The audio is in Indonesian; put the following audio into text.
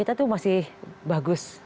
ini masih bagus